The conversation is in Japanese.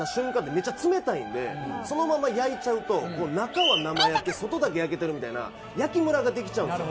めちゃ冷たいんでそのまま焼いちゃうと中は生焼け外だけ焼けてるみたいな焼きムラができちゃうんですよ